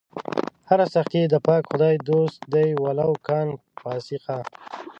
هر سخي د پاک خدای دوست دئ ولو کانَ فاسِقا